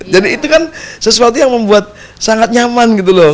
jadi itu kan sesuatu yang membuat sangat nyaman gitu loh